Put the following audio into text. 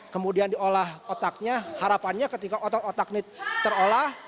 kemudian diolah otaknya harapannya ketika otak otak ini terolah